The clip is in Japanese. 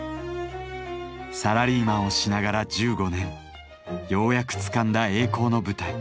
サラリーマンをしながら１５年ようやくつかんだ栄光の舞台。